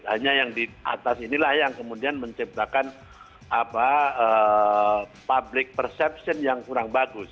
hanya yang di atas inilah yang kemudian menciptakan public perception yang kurang bagus